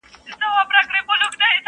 زخمي زخمي ټوټه ټوټه دي کړمه,